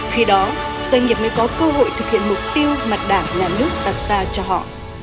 khi đó doanh nghiệp mới có cơ hội thực hiện mục tiêu mà đảng nhà nước đặt ra cho họ